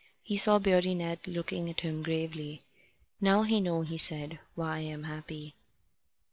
He saw Beardy Ned looking at him gravely. "Now you know," he said, "why I'm happy."